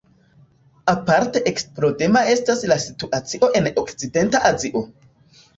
Aparte eksplodema estas la situacio en okcidenta Azio.